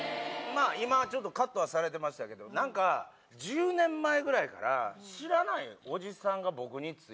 今ちょっとカットはされてましたけどなんか１０年前ぐらいから知らないおじさんが僕に憑いて。